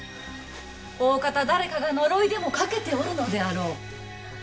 おおかた誰かが呪いでもかけておるのであろう。